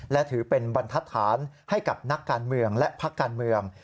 และถือเป็นบรรทัศนให้กับนักการเมืองและพักการเมือง